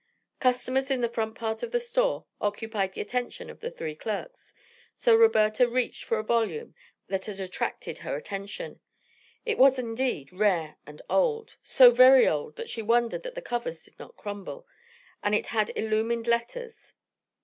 Customers in the front part of the store occupied the attention of the three clerks, so Roberta reached for a volume that had attracted her attention. It was indeed rare and old, so very old that she wondered that the covers did not crumble, and it had illumined letters.